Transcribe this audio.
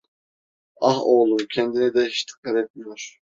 Ah oğlum, kendine de hiç dikkat etmiyor…